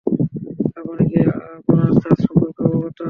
আপনি কী আপনার চার্জ সম্পর্কে অবগত?